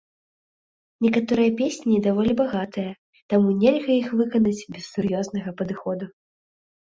Некаторыя песні даволі багатыя, таму нельга іх выканаць без сур'ёзнага падыходу.